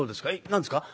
「何ですか？